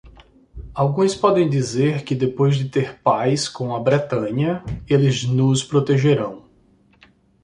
Alguns podem dizer que, depois de ter paz com a Bretanha, eles nos protegerão.